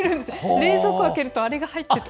冷蔵庫を開けるとあれが入っていて。